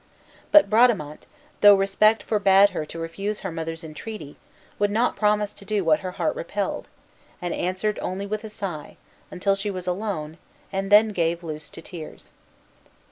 But Bradamante, though respect forbade her to refuse her mother's entreaty, would not promise to do what her heart repelled, and answered only with a sigh, until she was alone, and then gave a loose to tears.